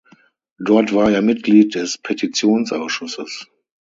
Dort war er Mitglied es Petitionsausschusses.